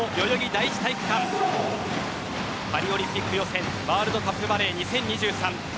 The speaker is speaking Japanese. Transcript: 東京代々木第一体育館パリオリンピック予選ワールドカップバレー２０２３